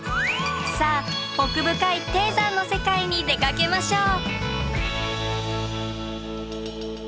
さあ奥深い低山の世界に出かけましょう。